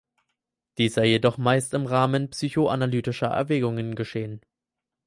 Dies sei jedoch meist im Rahmen psychoanalytischer Erwägungen geschehen.